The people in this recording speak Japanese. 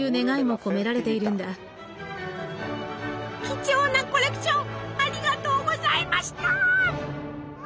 貴重なコレクションありがとうございました！